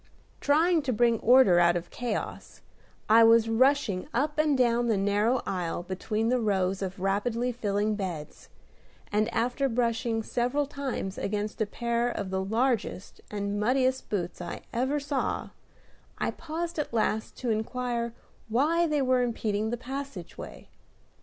Trying to bring order out of chaos, I was rushing up and down the narrow aisle between the rows of rapidly filling beds, and, after brushing several times against a pair of the largest and muddiest boots I ever saw, I paused at last to inquire why they were impeding the passageway.